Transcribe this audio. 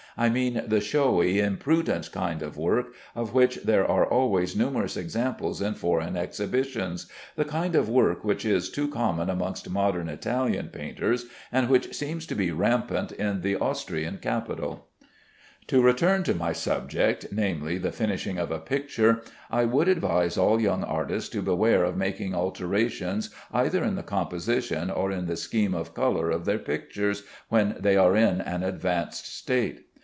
I mean the showy, impudent kind of work of which there are always numerous examples in foreign exhibitions the kind of work which is too common amongst modern Italian painters, and which seems to be rampant in the Austrian capital. To return to my subject, namely, the finishing of a picture. I would advise all young artists to beware of making alterations either in the composition or in the scheme of color of their pictures, when they are in an advanced state.